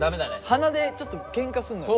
鼻でちょっとけんかすんのよ。